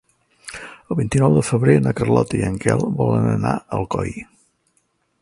El vint-i-nou de febrer na Carlota i en Quel volen anar a Alcoi.